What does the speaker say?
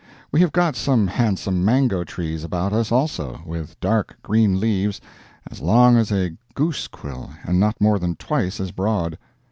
We have got some handsome mango trees about us also, with dark green leaves, as long as a goose quill and not more than twice as broad.